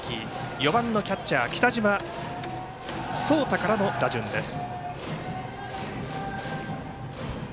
４番、キャッチャー北島蒼大からの打順です。